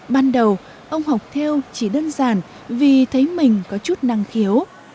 ban đầu ông học theo chỉ đơn giản vì thấy mình có chút năng khiếu